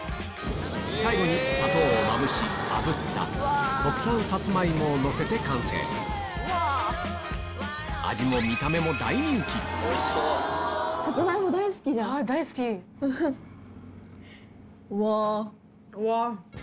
最後に砂糖をまぶしあぶった国産さつまいもをのせて完成味も見た目もうわ！